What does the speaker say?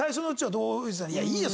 「いやいいよ